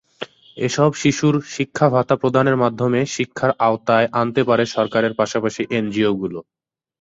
এসব শিশুর শিক্ষাভাতা প্রদানের মধ্যমে শিক্ষার আওতায় আনতে পারে সরকারের পাশাপাশি এনজিওগুলো।